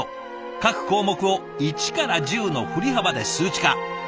各項目を１から１０の振り幅で数値化。